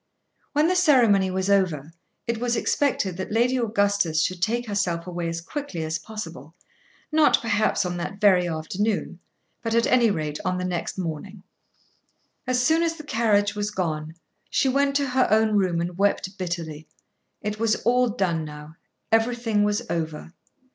When the ceremony was over it was expected that Lady Augustus should take herself away as quickly as possible, not perhaps on that very afternoon, but at any rate, on the next morning. As soon as the carriage was gone, she went to her own room and wept bitterly. It was all done now. Everything was over.